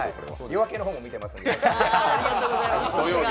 「夜明け」の方も見ていますので。